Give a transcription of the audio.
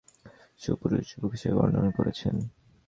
তিনি লেফ্রয়কে ভদ্র, সুদর্শন, সুপুরুষ যুবক হিসাবে বর্ণনা করেছেন।